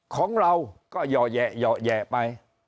ของเราก็หย่อแยะหย่อแยะไป